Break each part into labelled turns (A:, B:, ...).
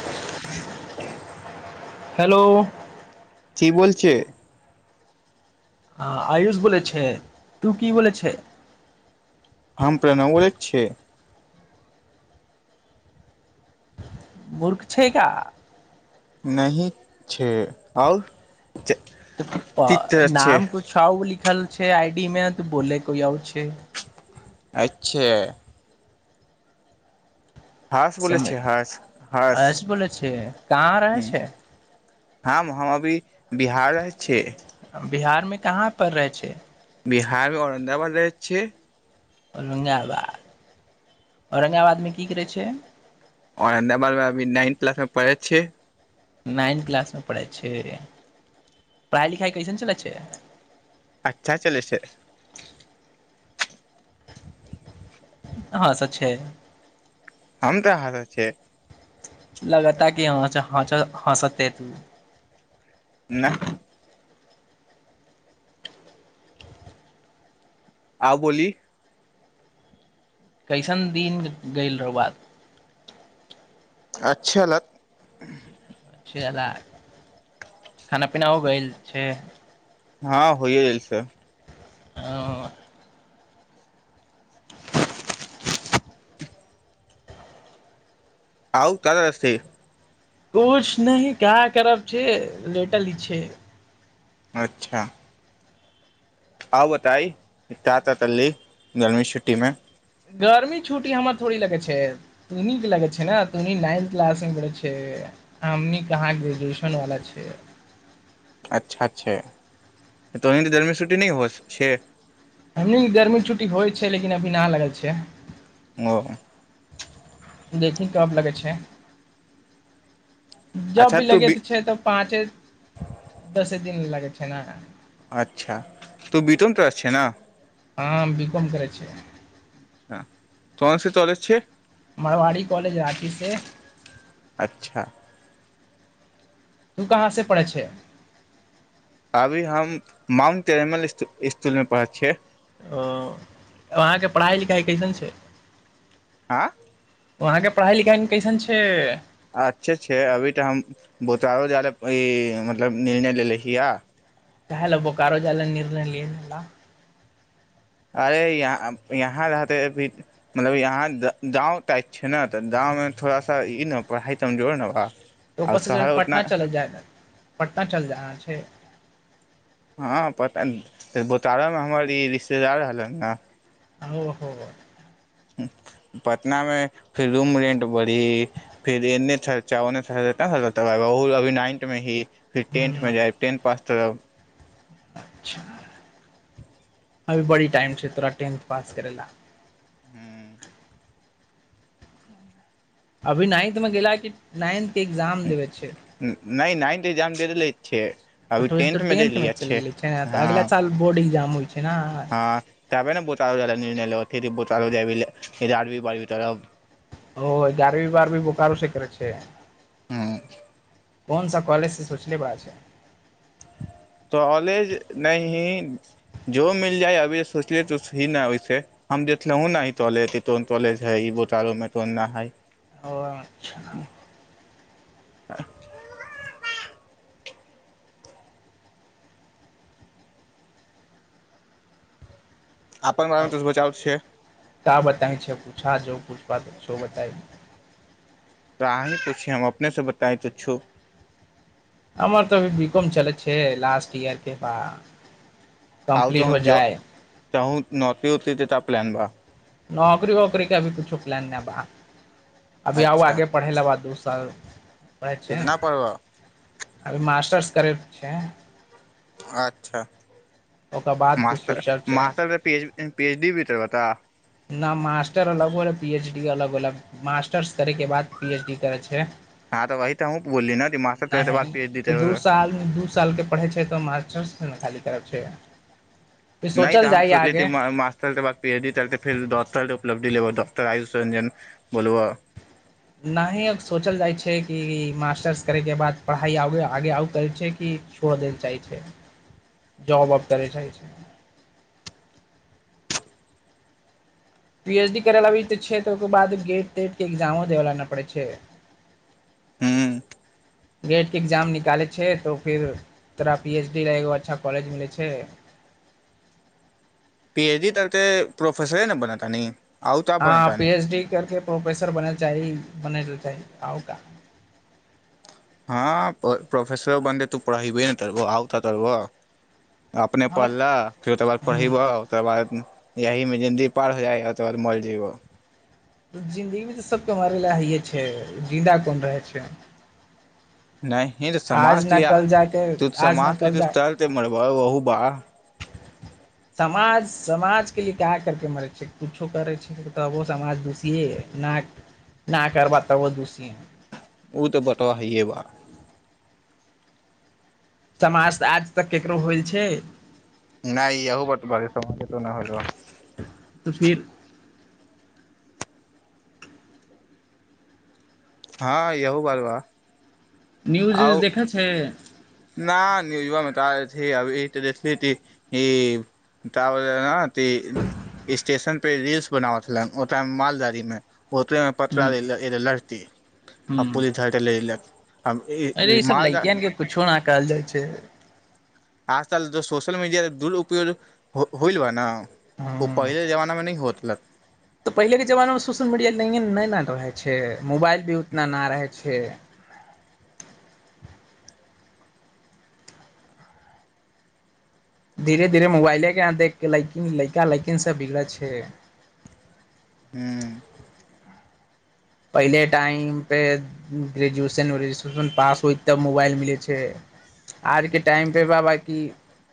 A: [inaudible] hello
B: की बोल छे
A: आ आयुष बोलै छे तू के बोलैय छे
B: हम प्रणव बोलै छै
A: मूर्ख छैइ का
B: नहि छै आओर
A: तऽ
B: चित्र छै
A: नाम किछ आउर लिखल छै आइ डी मे तू बोले कोइ आउर छै
B: अच्छा हर्ष बोलै
A: समझ
B: छै हर्ष हर्ष
A: अरस बोलै छियै काँहा रहैय छियै
B: हम हम अभी बिहार रहै छियै
A: बिहारमे कहाँ पर रहे छै
B: बिहारमे औरंगाबाद रहै छियै
A: औरंगाबाद औरंगाबादमे की करै छै
B: औरंदाबाद में अभी नाइन क्लासमे पढ़ै छियै
A: नाइन्थ क्लासमे पढ़ै छिय पढ़ाइ लिखाइ कइसन चलै छै
B: अच्छा चलै छैइ
A: हँ सच है
B: हम्म तांहा रहै छियै
A: लगता कि हंच हंच हँसते तू
B: नह आउ बोली
A: कइसन दिन गैल रहौ बात
B: अच्छा लत
A: खाना पीना हो गैल छै
B: हँ होइये गेल छै
A: हं
B: आउ क त रस्त
A: कुछ नहीं क्या करब छे लेटल इछै
B: अच्छा हा बताई का का कर रहली गर्मी छुट्टीमे
A: गर्मी छुट्टी हमरा थोड़ी लगै छै तुनी लगै छै ने तुनि नाइन्थ क्लासमे पढ़ै छै हमनी कहाँ ग्रेजुएशनवला छै
B: अच्छा छइ तोंइ के दर्मी छुट्टी नई होइ छै
A: हमनी के गर्मी छुट्टी होइ छै लेकिन अभी ना लगै छै
B: ओ
A: देखि कब लगै छैेइ जब
B: अच्छा
A: भी
B: तू
A: लगे
B: बी
A: ते छै तऽ पाँचे दसे दिन ले लाग छैना
B: अच्छा तूऽ बीतम तरै छै ना
A: हँ बी कॉम करै छिय
B: तोनसे तौलेज छै
A: मारवाड़ी कॉलेज राँची से
B: अच्छा
A: तू कहाँ से पढ़ै छे
B: अभी हम माउंट एरमल इस इसकुलमे पढ़ैत छियै
A: ओ अहाँके पढ़ाइ लिखाइ कइसन छै
B: आँ
A: वहाँके पढ़ाइ लिखाइमे कैसन छै
B: अच्छे छै अभी तऽ हम बोतारो जाय लेल ई मतलब निर्णय लेलेे छहए
A: कह ल बो कारो जा ल निर्णय लिए का
B: अरे यहाँ यहाँ रहते मतलब यहाँ गाँव टाइप छै ने तऽ गाँवमे थोड़ा सा ई ने पढ़ाइ कमजोर ने बा आओर
A: ऊपरसँ
B: शहर
A: पटना
B: उतना
A: चलऽ जाय पटना चलि जाना छै
B: हँ पता बोतारोमे हमर ई रिश्तेदार रहललन न
A: ओ हो
B: पटना मे फिर रूम रेंट बढ़ी फिर एने खर्चा ओने खर्चा का बताबु अभी नाइन्थ मे ही फि टेंथ
A: हूँ
B: मे जाइथ टेंथ पास तऽ
A: ह अभी बड़ी टाइम छै तोरा टेंथ पास करय लय
B: हू
A: अभी नाइन्थ में गेल कि नाइन्थ एग्जाम देबे के छै
B: नहि नाइन्थ एग्जाम दे देलै छियै
A: त
B: अभी
A: टेंथ
B: देली
A: मे चल
B: अच्छे
A: गेलै अगला
B: हँ
A: साल बोर्ड एग्जाम हो
B: हँ तबै ने बत लत जाइ आई निर्णय लेबि बढ़ी तर
A: ओ ग्यारहवी बारहवीं बुकारो स करय छै
B: हुँ
A: कोन सा कॉलेज से सोचले बा छै
B: कॉलेज नहि ही जो मिल जाय अभी सोचले त ही न ओहिसे हम देखलेहो नॉलेजोन कॉलेज है ई बोतारो मे तोन न है [inaudible] [inaudible]
A: ओ
B: अपन बारेमे तोस बताबै छियै
A: ता बताऊ छै पूछा जो पुछ सोबताइ
B: अीँ पूछ हम अपनेसँ बताय तुछौ
A: हमर तऽ अभ बिकॉम चलै छै लास्ट इयर के बा
B: आउ
A: कम्प्लीट
B: तह
A: हो
B: ज
A: जाय
B: चहू नती उती प्लान बा
A: नौकरी वौकरी के अभी कुछौ प्लान ने बाह अभी आउ
B: अच्छा
A: आगे पढ़ैेला बाद दू साल अ छै
B: कितना पढ़बह
A: अर मास्टर्स करैत छै
B: अच्छा
A: ओकर बाद कुछ
B: मास्टर
A: सोचब छै
B: मास्टर पेज पी एचडी भी त बता
A: न मास्टर अलग होलै पीएच डी अलग होलै मास्टर्स करै के बाद पीएच डी करै छै
B: हँ तऽ वही तऽ हमहूँ बोलली ने मास्टर तोरे के बाद पी एच डी
A: नहि दू
B: नहि
A: साल दू साल के पढ़ै छै तऽ हम खाली करब छै फिर
B: नहि तऽ हम
A: जाइ
B: सोचल
A: आगे
B: त मासटर के बाद पीएचडी करके फिर डाक्टर के उलब्धि लेब त डाक्टर आयुष रंजन बोलब
A: नाही आब सोचल जाइ छै कि मास्टर्स करयके बाद पढ़ाइ आगे आगे आओर करै छै कि छोड़ दै लेल चाहै छै जॉब ओब करय चाहे छै पीएचडी करेला भी त छै तऽ ओकर बाद गेट तेट के एगजामो देला नहि पड़ै छै
B: हूँ
A: गेट के एगजाम निकालै छै तऽ फिर तोरा पीएचडी ल एगो अच्छा कॉलेज मिलै छै
B: पीएचडी तरे प्रोफेसरे ने बने तानी
A: हँ पी एच डी करके प्रोफेसर बनल चाही बनेल चाही आउर का
B: हँ प्रोफेसर बनले तू पढ़ेबे ने तरब अऔर करब अपने
A: हमर
B: पढ़लह फेर ओकर बाद पढ़यबह ओकर बाद यही में जिन्दी पार हो जाइगा त बाद मर जइबो
A: जिंन्दगी मे तऽ सबके मरे लए हइे छै जिन्दा कोन रहै छै
B: नहि रे समाज
A: आज
B: के
A: न
B: लेल
A: कल जाके
B: तू
A: आज
B: समाज
A: न
B: के लेल
A: कल
B: कुछ
A: जा
B: कर के मरब
A: समाजके लिए क्या करके मरै छै किछो करै छै तबो समाज दुषिये है ना ना करबा तबो दुषीेये
B: ओ तऽ बतबा हइये बा
A: समाज आज तक केकरो होइल छै
B: नहियहू बात बा समाज त नहि हो
A: तऽ फेर
B: हँ यहु बालबा
A: न्युज उज देखै छै
B: ना न्यूजवा मे का अथि अभी का बोल रहा है ना स्टेशन पर रिल्स बनाब छलाह ओ भी मालगाड़ी मे ओतबेमे पतरा
A: ह
B: दैलइ लड़ती आ पुलिस धरक लेलिह
A: अर ई सब लइकियन के किछो न कायल जाइ छैय
B: आज ताल जे सोशल मीडिया के दुलउपयोग होइल बा न ओ
A: ह
B: पहिले जमाना मे नहि होत लक
A: तऽ पहिलेके जमानामे सोशल मीडिया नहि नहि ने रहै छैय मोबाइल भी उतना ना रहै छे धीरे धीरे मोबाइले के आ देख के लैकिन लैका लैकिन सब बिगड़ल छैय
B: हु
A: पहिले टाइमपे ग्रेजुएशन व्रेजुएशन पास होय तब मोबाइल मिलै छैय आरके टाइमप बाबााकी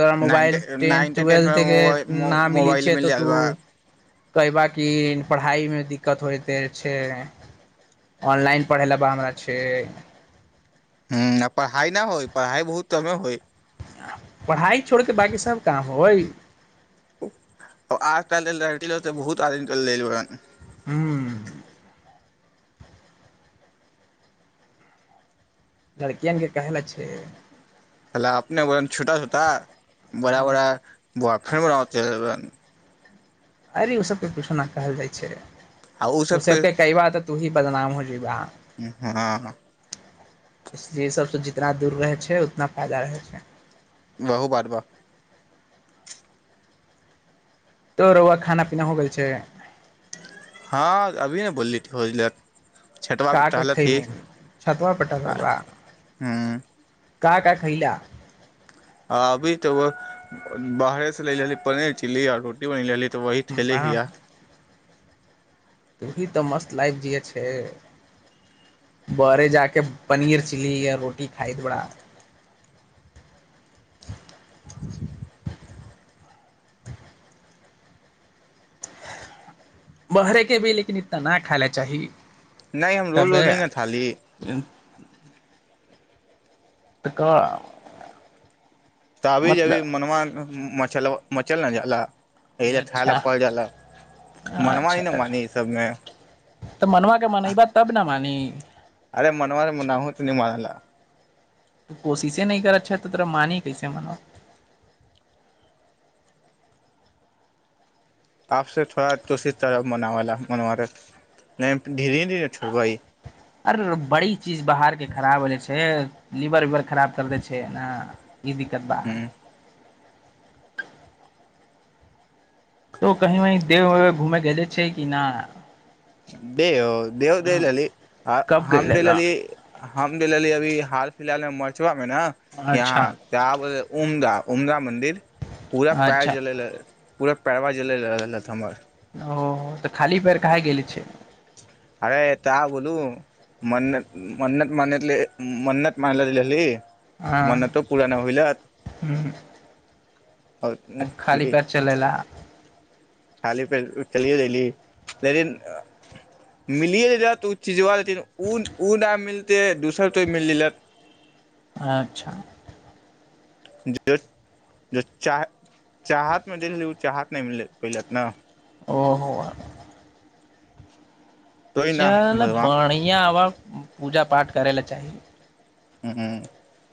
A: तोरा मोबाल
B: नाइनटे
A: टेन्थ
B: नाइनटे टेन
A: तुएलथ
B: मे मो
A: न मिलै
B: मोबाइल
A: छैय
B: मिल
A: तऽ
B: जात
A: तू
B: बा
A: कहय बा कि पढ़ाइमे दिक्कत होइत छैय ऑनलाइन पढ़य ल बा हमरा छैय
B: हु आ पढ़ाइ नहि होइ पढ़ाइ बहुत कमे होइ
A: पढ़ाइ छोड़ि कऽ बाँकी सभ काम होबई
B: [unintelligible]
A: हु लड़कियन के काहेला छै
B: [unintelligible] छोटा छोता बड़ा बड़ा बॉयफ्रेंड [unintelligible]
A: अरे ओ सबके कुछोना कहल जाइ छैय
B: आ
A: उ
B: सब पे
A: सबके कई बात त तू ही बदनाम हो जईबा
B: हँ
A: इसलिए सभसँ जितना दूर रहै छैय उतना फइदा रहै छैय
B: बहु बार बा
A: तो रौआ खाना पीना हो गेल छैय
B: हँ अभी ने बोलली [unintelligible] पे
A: कए कऽ
B: टहलत ही
A: खयहनि छतबा पर टहलत बा
B: हूं
A: का का खैला
B: अ अभी त बाहरे से ले रहली पनीर चिली आर रोटी बनी [unintelligible] तऽ वह ठैेले
A: वाह
B: हीया
A: उभी तऽ मस्त लाईफ जिये छैय बड़े जाके पनीर चिली या रोटी खाइत बड़ा
B: [inaudible]
A: बहरे के भी लेकिन इतना ना खाईला चाही
B: नहि हम रोलो
A: तबे
B: नहि न थाली
A: [inaudible] तऽक
B: त अभी जेभी मनम मछलब मचल न जाला एहिल खाय
A: अच्छा
B: लए पड़ि रहले
A: अच्छा अच्छा तऽ मनुआ के मनेैब'तब ने मान नि
B: अरे मनबा तमेनाहू त' नहि मानेला
A: तू कोशिशे नहि करऽ छा तऽ तोरा माने कैसे मनवा
B: आपसे थोड़ा तुसी तर' मनाबेला मनवा नहि धीरे धीरे छोड़बइ
A: अर बड़ी चीज बाहर के खराब होले छै लिवर उवर खराब कर दै छै नए की दिक्कत बा
B: ह
A: तो कहीं वहीं देव वेव घूमय गेले छै कि ना
B: देव देव जली आ
A: कब
B: हम
A: गेले ल
B: देललिऐ हम देललिऐ अभी हाल फिलहालमे मचुआ ने
A: अच्छा
B: यहाँ त आ बे उमदा [inaudible] मन्दिर पूरा पाय
A: अच्छा
B: जले ला पूरा पैरवा जले रहलथि हमर
A: ओ तऽ खाली पैर कहाँ गेल छै
B: अरे ता बोलू मन्नत मन्नत मान मन्नत मानलेलही
A: हँ
B: मनतो पुराना होयला
A: आ खाली पयर चलेला
B: थाली पे चलिए देलि लेकिन मिलिए लेलतऽ ओ चीजबा लेकिन उ उ नहि मिलते दोसर तो मिलि लत
A: अच्छा
B: ज ज चाह चाहतमे देलै ओ चाहत नहि मिललै पहिलेत न
A: ओ हो
B: तोहि न
A: चल
B: भगवान
A: बढियां बा पूजा पाठ करय लय चाही
B: [unintelligible]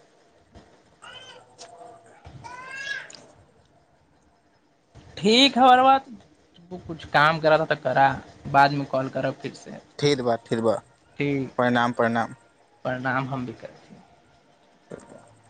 B: [unintelligible]
A: ठीक ह रौआ कुछ काम करत हय तऽ कर' बादमे कॉल करब फिर से
B: थीर बा थीर बा
A: बा
B: प्रणाम प्रणाम
A: प्रणाम हम भी करत
B: [unintelligible]